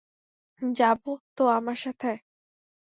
যাবো তো আমার সাথে?